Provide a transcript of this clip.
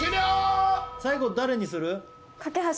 最後誰にする？